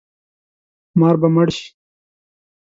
مار به مړ شي